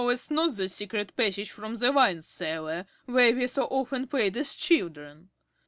~ Knowest not the secret passage from the wine cellar, where we so often played as children?